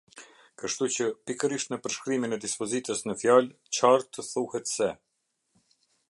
Kështu që, pikërisht në përshkrimin e dispozitës në fjalë, qartë thuhet se: